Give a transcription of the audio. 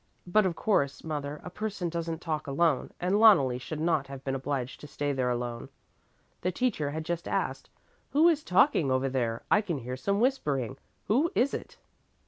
But of course, mother, a person doesn't talk alone, and Loneli should not have been obliged to stay there alone. The teacher had just asked: 'Who is talking over there? I can hear some whispering. Who is it?'